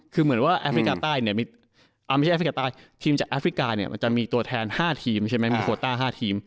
คือเหมือนว่าแอฟริกาใต้เนี่ยไม่ใช่แอฟริกาใต้ทีมจากแอฟริกาเนี่ยมันจะมีตัวแทน๕ทีมใช่ไหมมีโคต้า๕ทีม